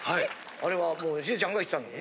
あれはもうヒデちゃんが言ってたもんね。